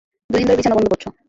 দুইদিন ধরে বিছানা গন্ধ করছো।